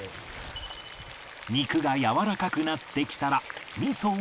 肉がやわらかくなってきたら仕上げがね。